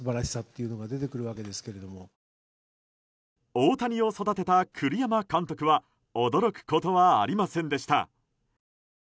大谷を育てた栗山監督は驚くことはありませんでした。